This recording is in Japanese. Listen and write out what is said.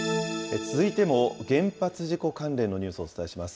続いても原発事故関連のニュースをお伝えします。